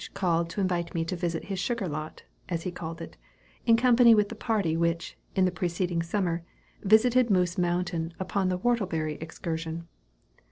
called to invite me to visit his sugar lot as he called it in company with the party which, in the preceding summer, visited Moose Mountain upon the whortleberry excursion.